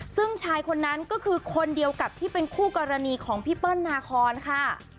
ซึ่งชายคนนั้นก็คือคนเดียวกับที่เป็นคู่กรณีของพี่เปิ้ลนาคอนค่ะ